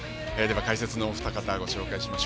解説のお二方をご紹介します。